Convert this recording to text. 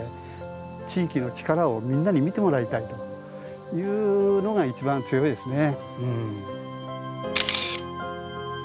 地域の力をみんなに見てもらいたいというのが一番強いですね。